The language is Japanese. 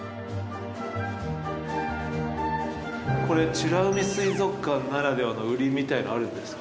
美ら海水族館ならではのウリみたいなのあるんですか？